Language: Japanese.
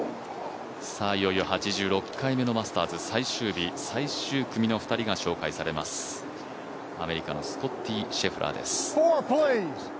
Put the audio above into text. いよいよ８６回目のマスターズ、最終日最終組の２人が紹介されますアメリカのスコッティ・シェフラーです。